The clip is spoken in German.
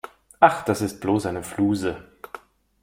Ach, das ist bloß eine Fluse.